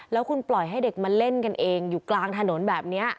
แล้วคุณปล่อยให้เด็กมาเล่นกันเองอยู่กลางถนนแบบนี้